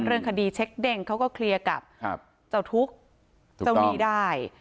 เรื่องคดีเช็คเด้งเขาก็เคลียร์กับเจ้าทุกข์เจ้าหนี้ได้